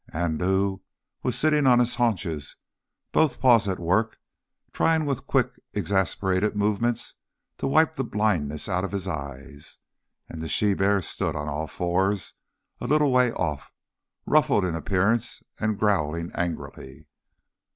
Andoo was sitting on his haunches, both paws at work, trying with quick exasperated movements to wipe the blindness out of his eyes, and the she bear stood on all fours a little way off, ruffled in appearance and growling angrily.